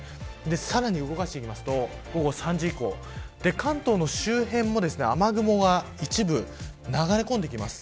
さらに動かしていくと午後３時以降関東の周辺も雨雲が一部流れ込んできます。